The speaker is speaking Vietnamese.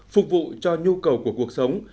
phục vụ cho nhu cầu của cuộc sống